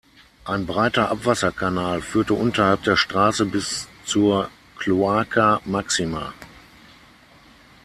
Ein breiter Abwasserkanal führte unterhalb der Straße bis zur Cloaca Maxima.